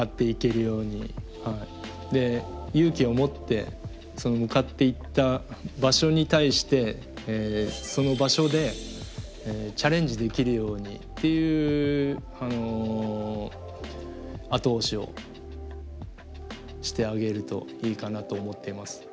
で勇気を持ってその向かっていった場所に対してその場所でチャレンジできるようにっていう後押しをしてあげるといいかなと思っています。